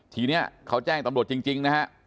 ทีนี้เขาแจ้งตำรวจจริงนะฮะ